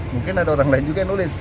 mungkin ada orang lain juga yang nulis